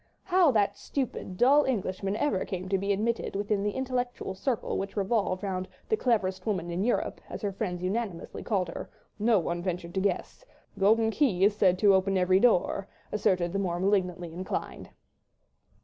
How that stupid, dull Englishman ever came to be admitted within the intellectual circle which revolved round "the cleverest woman in Europe," as her friends unanimously called her, no one ventured to guess—a golden key is said to open every door, asserted the more malignantly inclined.